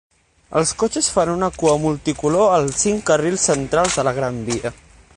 Els cotxes fan una cua multicolor als cinc carrils centrals de la Gran Via.